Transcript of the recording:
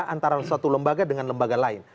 antara satu lembaga dengan lembaga lain